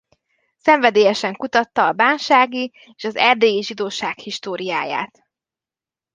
Szenvedélyesen kutatta a bánsági és az erdélyi zsidóság históriáját.